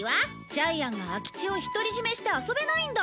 ジャイアンが空き地を独り占めして遊べないんだ！